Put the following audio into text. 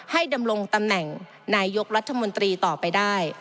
ดำรงตำแหน่งนายกรัฐมนตรีต่อไปได้